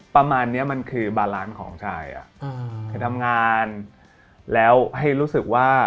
ประมาณเนี้ยมันคือบาลานซ์ของชายอ่ะคือทำงานแล้วให้รู้สึกว่า